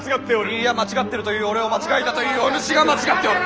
いいや間違っているという俺を間違いだというお主が間違っておる！